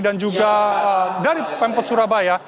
dan juga dari pempot surabaya